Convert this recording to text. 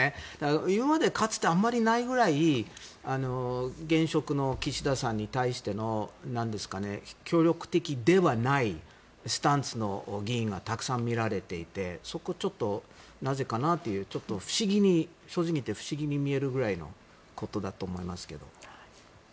今までかつてあまりないくらい現職の岸田さんに対しての協力的ではないスタンスの議員がたくさん見られていてそこがちょっと、なぜかな？とちょっと不思議に正直言って不思議に見えるくらいのことだと思いますけど。